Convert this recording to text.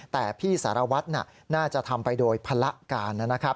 แต่พี่สารวัตรน่าจะทำไปโดยภาระการนะครับ